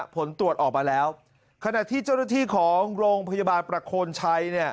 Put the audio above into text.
ผลตรวจออกมาแล้วขณะที่เจ้าหน้าที่ของโรงพยาบาลประโคนชัยเนี่ย